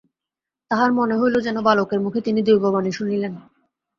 তাঁহার মনে হইল যেন বালকের মুখে তিনি দৈববাণী শুনিলেন।